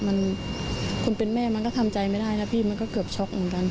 มันคนเป็นแม่มันก็ทำใจไม่ได้นะพี่มันก็เกือบช็อกเหมือนกัน